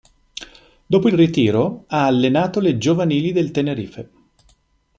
Dopo il ritiro ha allenato le giovanili del Tenerife.